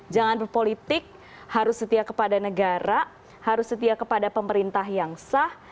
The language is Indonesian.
jangan berpolitik harus setia kepada negara harus setia kepada pemerintah yang sah